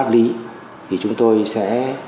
lý thì chúng tôi sẽ